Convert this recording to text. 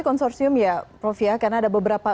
konsorsium ya prof ya karena ada beberapa